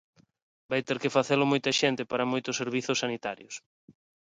Vai ter que facelo moita xente para moitos servizos sanitarios.